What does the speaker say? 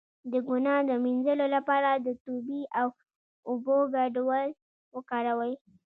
د ګناه د مینځلو لپاره د توبې او اوبو ګډول وکاروئ